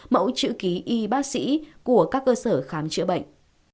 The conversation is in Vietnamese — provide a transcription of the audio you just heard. mẫu chữ ký y bác sĩ của các cơ sở khám chữa bệnh